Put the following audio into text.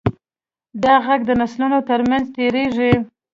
دا غږ د نسلونو تر منځ تېرېږي.